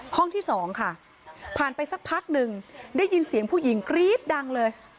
ที่สองค่ะผ่านไปสักพักหนึ่งได้ยินเสียงผู้หญิงกรี๊ดดังเลย